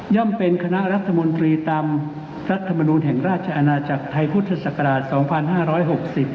ย่ำเป็นคณะรัฐมนตรีตามรัฐมนูลแห่งราชอาณาจักรไทยพุทธศักราช๒๕๖๐